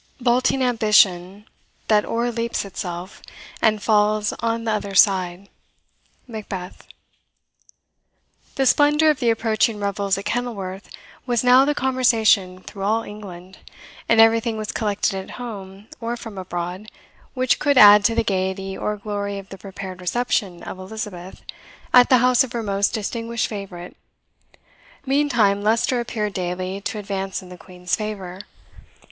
Vaulting ambition, that o'erleaps itself, And falls on t'other side. MACBETH. The splendour of the approaching revels at Kenilworth was now the conversation through all England; and everything was collected at home, or from abroad, which could add to the gaiety or glory of the prepared reception of Elizabeth at the house of her most distinguished favourite, Meantime Leicester appeared daily to advance in the Queen's favour.